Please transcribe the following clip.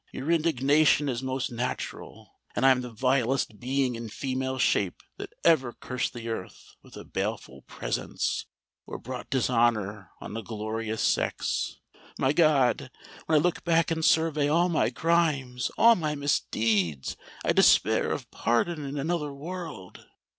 "Your indignation is most natural—and I am the vilest being in female shape that ever cursed the earth with a baleful presence, or brought dishonour on a glorious sex! My God! when I look back and survey all my crimes—all my misdeeds, I despair of pardon in another world!"